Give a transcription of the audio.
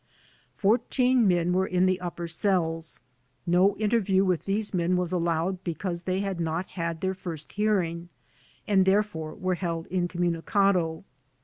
Fourteen men were in the upper cells. No interview with these men was allowed because they had not had their first hearing and therefore were held incommuni cado.